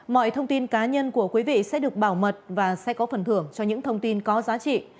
mọi thông tin cá nhân của quý vị sẽ được bảo mật và sẽ có phần thưởng cho những thông tin có giá trị